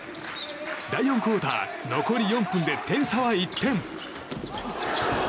第４クオーター、残り１分で点差は１点。